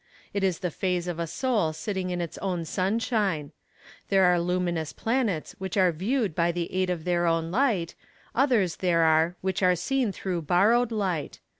It is the phase of a soul sitting in its own sunshine. There are luminous planets which are viewed by the aid of their own light, others there are which are seen through borrowed light.